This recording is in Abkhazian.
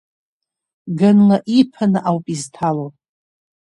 Ганла иԥаны ауп изҭало.